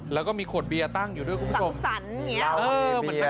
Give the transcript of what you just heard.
แล้วก็มีขวดเบียร์ตั้งอยู่ด้วยคุณผู้ชมสั่งสรรค์อย่างนี้